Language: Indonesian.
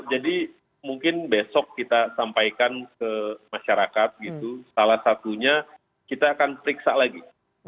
jadi mungkin besok kita sampaikan ke masyarakat gitu salah satunya kita akan periksa lagi